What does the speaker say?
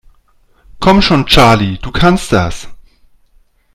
Komm schon, Charlie, du kannst das!